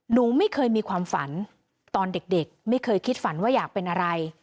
หนูไม่เคยมีความฝันตอนเด็กไม่เคยคิดฝันว่าอยากเป็นอะไร